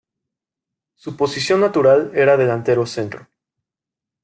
Su posición natural era delantero centro.